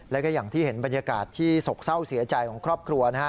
แล้วก็อย่างที่เห็นบรรยากาศที่ศกเศร้าเสียใจของครอบครัวนะฮะ